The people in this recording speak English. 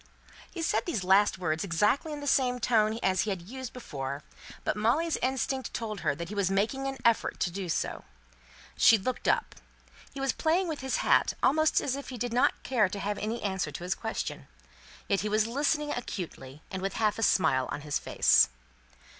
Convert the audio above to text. He said these last words exactly in the same tone as he had used before; but Molly's instinct told her that he was making an effort to do so. She looked up. He was playing with his hat, almost as if he did not care to have any answer to his question. Yet he was listening acutely, and with a half smile on his face.